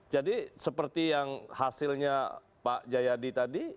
jadi seperti yang hasilnya pak jayadi tadi